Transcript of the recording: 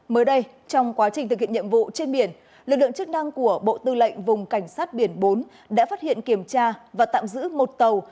mới đây trong quá trình thực hiện nhiệm vụ trên biển lực lượng chức năng của bộ tư lệnh vùng cảnh sát biển bốn đã phát hiện kiểm tra và tạm giữ một tàu